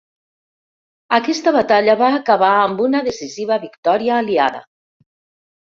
Aquesta batalla va acabar amb una decisiva victòria aliada.